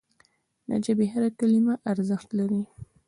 د ژبي هره کلمه ارزښت لري.